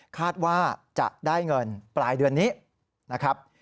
คาดว่าจะได้เงินปลายเดือนนี้นะครับ